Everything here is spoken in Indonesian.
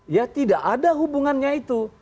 ya tidak ada hubungannya itu